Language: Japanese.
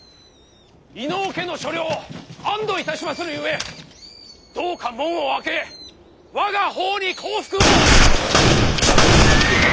飯尾家の所領安堵いたしまするゆえどうか門を開け我が方に降伏を。